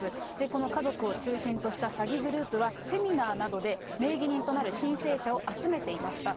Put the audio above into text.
この家族を中心とした詐欺グループは、セミナーなどで名義人となる申請者を集めていました。